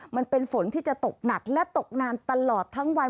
มันเป็นฝนที่จะตกหนักและตกนานตลอดทั้งวัน